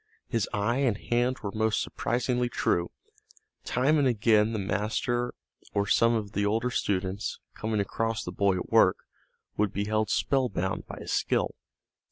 His eye and hand were most surprisingly true. Time and again the master or some of the older students, coming across the boy at work, would be held spellbound by his skill.